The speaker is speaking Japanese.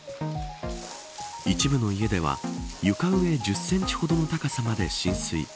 一部の家では床上１０センチほどの高さまで浸水。